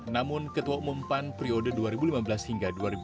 namun ketua umum pan periode dua ribu lima belas hingga dua ribu sembilan belas